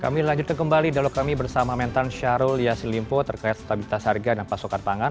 kami lanjutkan kembali dialog kami bersama mentan syahrul yassin limpo terkait stabilitas harga dan pasokan pangan